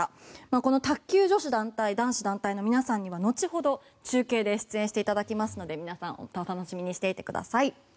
この卓球女子団体男子団体の皆さんには後ほど、中継で出演していただきますので皆さん楽しみにしていてください。